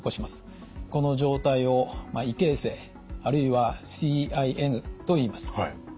この状態を異形成あるいはＣＩＮといいます。